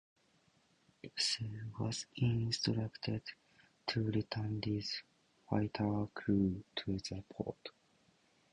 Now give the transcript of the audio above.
"Edsall" was instructed to return these "fighter crews" to the port.